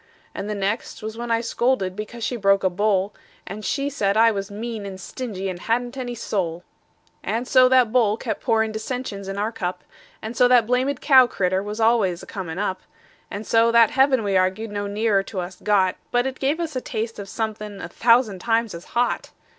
And the next was when I scolded because she broke a bowl; And she said I was mean and stingy, and hadn't any soul. And so that bowl kept pourin' dissensions in our cup; And so that blamed cow critter was always a comin' up; And so that heaven we arg'ed no nearer to us got, But it gave us a taste of somethin' a thousand times as hot.